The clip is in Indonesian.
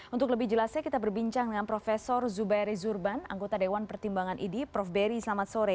untuk lebih jelasnya kita berbincang dengan prof zubairi zurban anggota dewan pertimbangan idi prof beri selamat sore